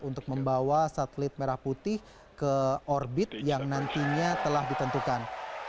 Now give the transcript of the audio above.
untuk membawa satelit merah putih ke orbit yang nantinya telah ditentukan